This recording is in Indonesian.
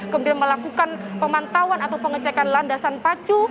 kemudian melakukan pemantauan atau pengecekan landasan pacu